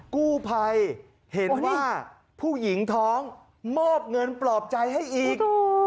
กู้ภัยเห็นว่าผู้หญิงท้องมอบเงินปลอบใจให้อีก